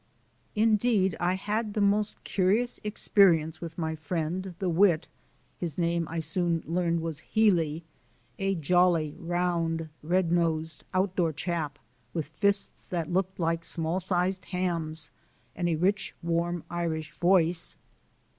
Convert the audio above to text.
Indeed I had the most curious experience with my friend the wit his name I soon learned was Healy a jolly, round, red nosed, outdoor chap with fists that looked like small sized hams, and a rich, warm Irish voice.